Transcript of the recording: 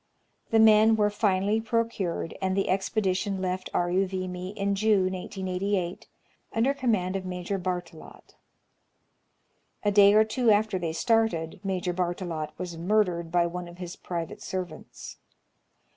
The men were finally procured, and the expedition left Aruvimi in June, 1888, under command of Major Barttelot. A day or two after they started, Major Barttelot was murdered by one of his private servants.